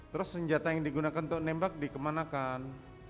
terus senjata yang digunakan untuk nembak dikemanakan